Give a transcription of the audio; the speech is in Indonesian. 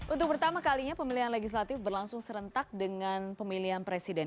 untuk pertama kalinya pemilihan legislatif berlangsung serentak dengan pemilihan presiden